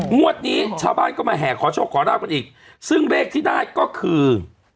งวดนี้ชาวบ้านก็มาแห่ขอโชคขอราบกันอีกซึ่งเลขที่ได้ก็คือ